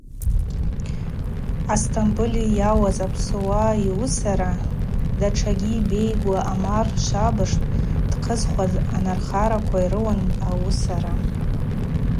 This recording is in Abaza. Астомбыль йауаз апсуа йуысара Датшагьи Бейгуаа Омар швабыж дхъызхуаз анархараква йрыуан ауысара.